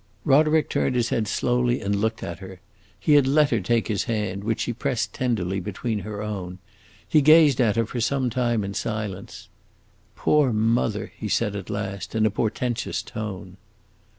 Roderick turned his head slowly and looked at her. He had let her take his hand, which she pressed tenderly between her own. He gazed at her for some time in silence. "Poor mother!" he said at last, in a portentous tone.